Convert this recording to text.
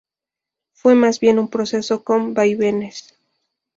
Fue más bien un proceso con vaivenes.